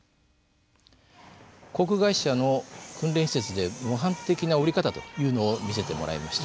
航空会社の訓練施設で模範的な降り方というのを見せてもらいました。